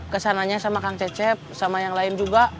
kesananya sama kang cecep sama yang lain juga